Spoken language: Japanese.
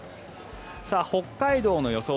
北海道の予想